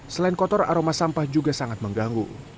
selain kotor aroma sampah juga sangat mengganggu